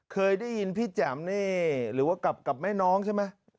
เคยได้ยินพี่แจ๋มนี่หรือว่ากับแม่น้องใช่ไหม